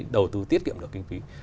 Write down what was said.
đầu tư tiết kiệm được kinh phí